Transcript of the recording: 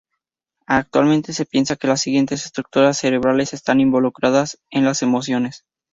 Actualmente se piensa que las siguientes estructuras cerebrales están involucradas en las emociones.